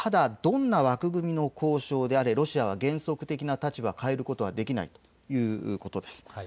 ただ、どんな枠組みの交渉であれロシアは原則的な立場を変えることはできないということです。